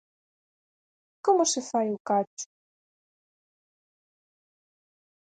Como se fai o cacho?